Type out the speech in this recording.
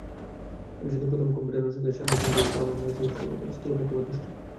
এটি শুধু প্রথম কম্পোনেন্টের সঙ্গে সাংঘর্ষিকই নয়, বরং অনেকাংশে স্থূল পক্ষপাতদুষ্ট।